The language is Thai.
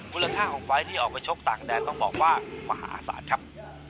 มูลค่าของไฟล์ที่ออกไปชกต่างแดนต้องบอกว่ามหาศาลครับ